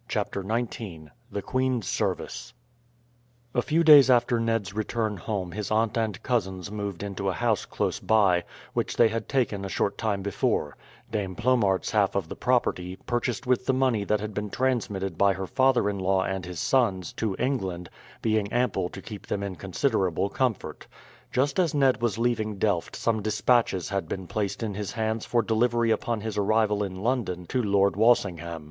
CHAPTER XIX THE QUEEN'S SERVICE A few days after Ned's return home his aunt and cousins moved into a house close by, which they had taken a short time before; Dame Plomaert's half of the property, purchased with the money that had been transmitted by her father in law and his sons to England, being ample to keep them in considerable comfort. Just as Ned was leaving Delft some despatches had been placed in his hands for delivery upon his arrival in London to Lord Walsingham.